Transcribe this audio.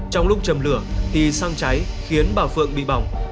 trong lúc chầm lửa thì xăng cháy khiến bà phượng bị bỏng